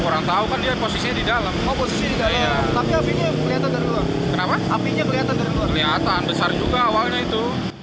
kelihatan besar juga awalnya itu